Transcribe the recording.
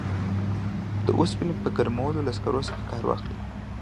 د اوسپنې په ګرمولو کې له سکرو څخه کار واخلي.